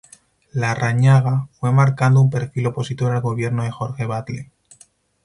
Larrañaga fue marcando un perfil opositor al gobierno de Jorge Batlle.